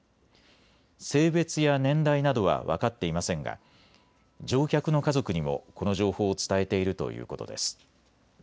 性別や年代などは分かっていませんが乗客の家族にもこの情報を伝えているということです。